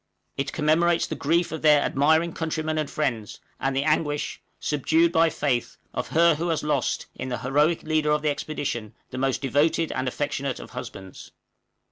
IT COMMEMORATES THE GRIEF OF THEIR ADMIRING COUNTRYMEN AND FRIENDS, AND THE ANGUISH, SUBDUED BY FAITH, OF HER WHO HAS LOST, IN THE HEROIC LEADER OF THE EXPEDITION, THE MOST DEVOTED AND AFFECTIONATE OF HUSBANDS.